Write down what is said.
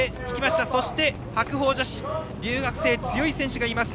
そして白鵬女子留学生、強い選手がいます。